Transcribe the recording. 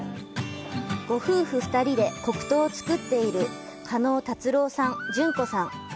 ご夫婦２人で黒糖を作っている叶辰郎さん、淳子さん。